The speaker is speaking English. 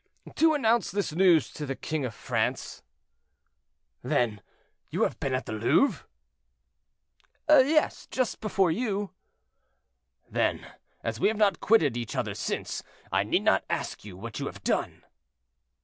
"To announce this news to the king of France." "Then you have been at the Louvre?" "Yes, just before you." "Then, as we have not quitted each other since, I need not ask you what you have done."